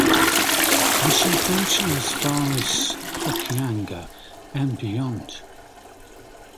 I shall venture as far as Hokianga, and beyond.